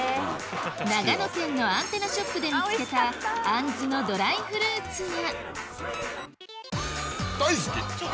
長野県のアンテナショップで見つけたあんずのドライフルーツや大好き！